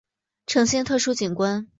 呈现特殊景观